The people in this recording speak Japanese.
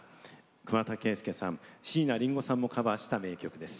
桑田佳祐さん、椎名林檎さんもカバーした名曲です。